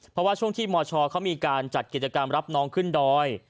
เพราะว่าช่วงที่มชเขามีการจัดกิจกรรมรับน้องขึ้นดอย